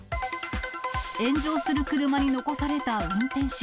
炎上する車に残された運転手。